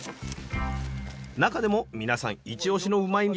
中でも皆さんイチオシのうまいッ！